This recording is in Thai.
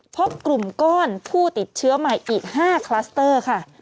พบกลุ่มก้อนผู้ติดเชื้อใหม่อีก๕คลัสเตอร์ค่ะ